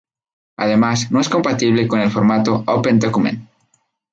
Además, no es compatible con el formato OpenDocument.